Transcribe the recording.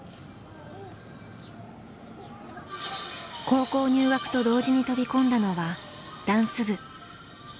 高校入学と同時に飛び込んだのはダンス部。